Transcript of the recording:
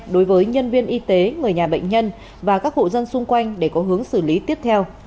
đối với nhân viên y tế người nhà bệnh nhân và các hộ dân xung quanh để có hướng xử lý tiếp theo